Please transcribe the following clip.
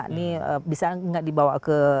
ini bisa nggak dibawa ke